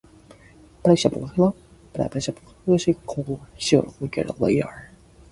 Back at the Reefer Den, Jimmy is completely out of control.